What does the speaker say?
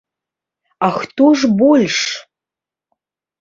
А то хто ж больш?